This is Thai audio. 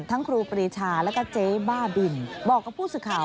ทั้งครูปีชาแล้วก็เจ๊บ้าบิลบอกกับผู้ศึกข่าว